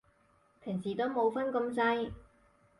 平時都冇分咁細